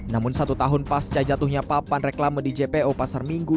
namun satu tahun pasca jatuhnya papan reklame di jpo pasar minggu